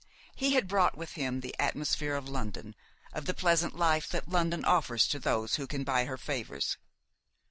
He had brought with him the atmosphere of London, of the pleasant life that London offers to those who can buy her favors.